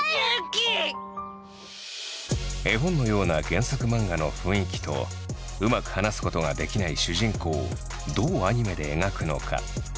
絵本のような原作漫画の雰囲気とうまく話すことができない主人公をどうアニメで描くのか。